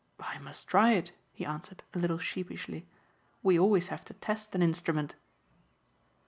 "I must try it," he answered, a little sheepishly, "we always have to test an instrument."